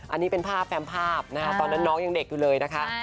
อันนี้เป็นภาพแฟมภาพนะคะตอนนั้นน้องยังเด็กอยู่เลยนะคะ